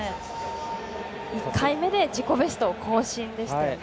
１回目で自己ベストを更新でした。